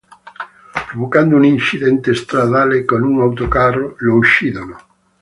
Provocando un incidente stradale con un autocarro, lo uccidono.